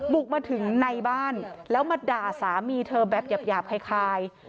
บุกมาถึงในบ้านแล้วมาด่าสามีเธอแบบหยาบคล้าย